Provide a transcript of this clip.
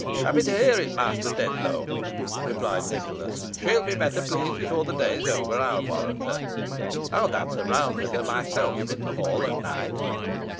"Happy to hear if, Master Tetlow," replied Nicholas, "she'll be better pleased before the day's over, I'll warrant her. I'll dance a round with her myself in the hall at night."